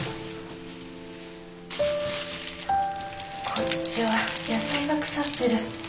こっちは野菜が腐ってる。